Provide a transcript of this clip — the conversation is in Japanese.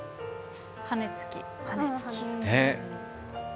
羽根つき。